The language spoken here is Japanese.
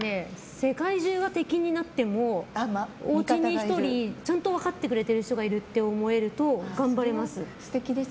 世界中が敵になってもおうちに１人、ちゃんと分かってくれてる人がいるって思えると頑張れます。